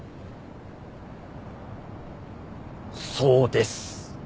そうです。